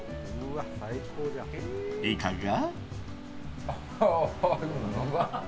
いかが？